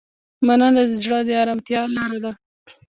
مننه د زړه د ارامتیا لاره ده.